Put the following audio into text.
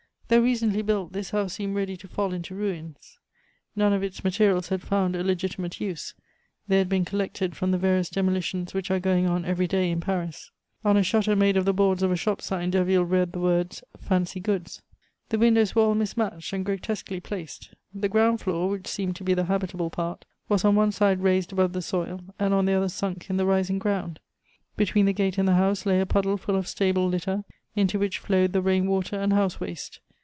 Though recently built, this house seemed ready to fall into ruins. None of its materials had found a legitimate use; they had been collected from the various demolitions which are going on every day in Paris. On a shutter made of the boards of a shop sign Derville read the words, "Fancy Goods." The windows were all mismatched and grotesquely placed. The ground floor, which seemed to be the habitable part, was on one side raised above the soil, and on the other sunk in the rising ground. Between the gate and the house lay a puddle full of stable litter, into which flowed the rain water and house waste.